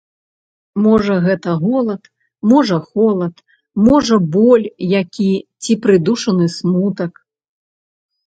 Можа гэта голад, можа холад, можа боль які ці прыдушаны смутак.